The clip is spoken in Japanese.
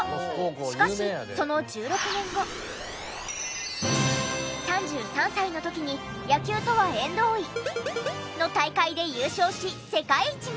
しかしその３３歳の時に野球とは縁遠いの大会で優勝し世界一に！